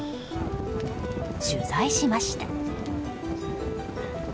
取材しました。